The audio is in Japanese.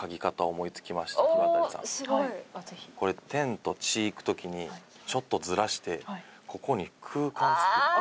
これ天と地いく時にちょっとずらしてここに空間作って。